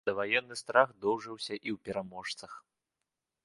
Даваенны страх доўжыўся і ў пераможцах.